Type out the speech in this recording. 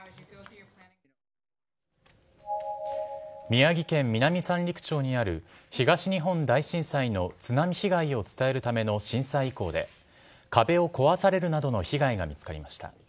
宮城県南三陸町にある東日本大震災の津波被害を伝えるための震災遺構で壁が壊されるなどの被害がありました。